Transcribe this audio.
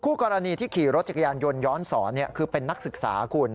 กรณีที่ขี่รถจักรยานยนต์ย้อนสอนคือเป็นนักศึกษาคุณ